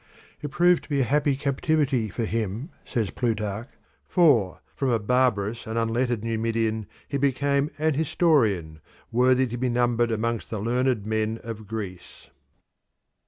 "It proved to be a happy captivity for him," says Plutarch, "for from a barbarous and unlettered Numidian he became an historian worthy to be numbered amongst the learned men of Greece."